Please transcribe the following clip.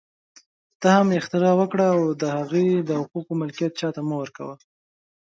ته هم اختراع وکړه او د هغې د حقوقو ملکیت چا ته مه ورکوه